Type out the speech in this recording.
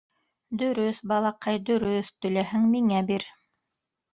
— Дөрөҫ, балаҡай, дөрөҫ, теләһәң миңә бир.